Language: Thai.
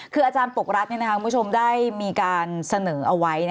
คืออาจารย์ปกรัศมันได้มีการเสนอเอาไว้